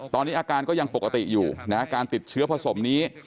ตอนนี้อาการก็ยังปกติอยู่นะการติดเชื้อผสมนี้